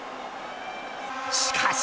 しかし。